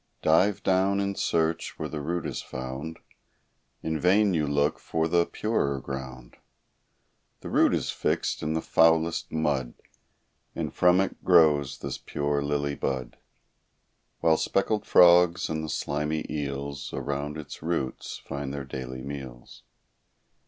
Dive down in search, where the root is found; In vain you look for the purer ground; The root is fixed in the foulest mud; And from it grows this pure lily bud; While speckled frogs, and the slimy eels, Around its roots find their daily meals.